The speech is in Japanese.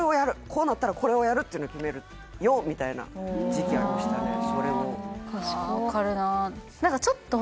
こうなったらこれをやるっていうのを決めるよみたいな時期ありましたね